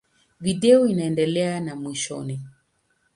Video inaendelea na mwishoni.